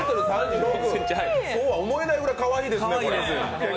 そうは思えないぐらいかわいいですね、これ。